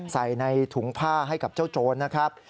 ใส่ในถุงผ้ามาให้รัชน์นะครับ